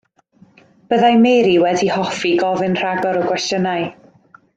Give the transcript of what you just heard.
Byddai Mary wedi hoffi gofyn rhagor o gwestiynau.